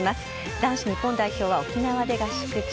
男子日本代表は沖縄で合宿中。